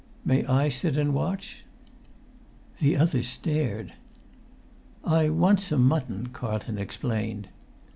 "May I wait and watch?" The other stared. "I want some mutton," Carlton explained.